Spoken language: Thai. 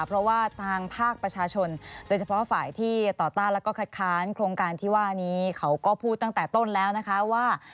เพราะว่าทางภาคประชาชนโดยเฉพาะฝ่ายที่ต่อต้านแล้วก็คัดค้านโครงการที่ว่านี้เขาก็พูดตั้งแต่ต้นแล้วนะคะว่า